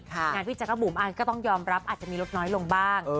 งานพี่จักรบุ๋มก็ต้องยอมรับอาจจะมีลดน้อยลงบ้าง